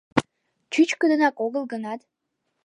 Чӱчкыдынак огыл гынат.